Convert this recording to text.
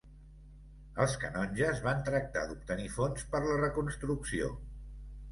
Els canonges van tractar d'obtenir fons per la reconstrucció.